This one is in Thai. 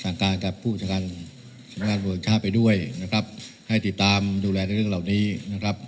การกับผู้จัดการสำนักงานชาติไปด้วยนะครับให้ติดตามดูแลในเรื่องเหล่านี้นะครับ